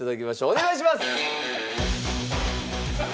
お願いします！